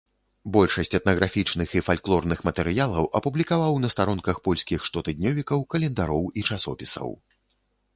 Большасць этнаграфічных і фальклорных матэрыялаў апублікаваў на старонках польскіх штотыднёвікаў, календароў і часопісаў.